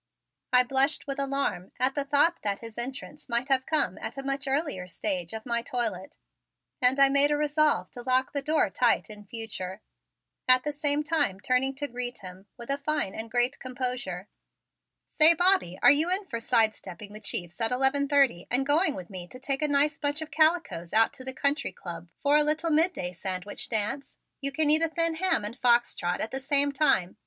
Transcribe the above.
I blushed with alarm at the thought that his entrance might have come at a much earlier stage of my toilet and I made a resolve to lock the door tight in future, at the same time turning to greet him with a fine and great composure. "Say, Bobby, are you in for side stepping the chiefs at eleven thirty and going with me to take a nice bunch of calicoes out to the Country Club for a little midday sandwich dance? You can eat a thin ham and fox trot at the same time.